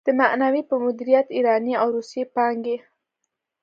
د معنوي په مديريت ايراني او روسي پانګې.